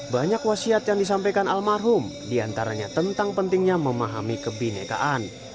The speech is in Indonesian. banyak wasiat yang disampaikan almarhum diantaranya tentang pentingnya memahami kebinekaan